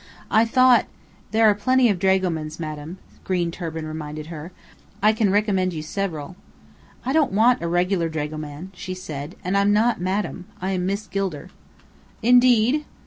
"I thought " "There are plenty of dragomans, Madame," Green Turban reminded her. "I can recommend you several." "I don't want a regular dragoman," she said. "And I'm not 'Madame.' I am Miss Gilder." "Indeed?"